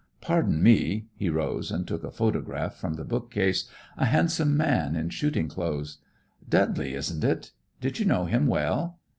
Pardon me," he rose and took a photograph from the bookcase, a handsome man in shooting clothes. "Dudley, isn't it? Did you know him well?"